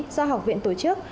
do học viện tổ chức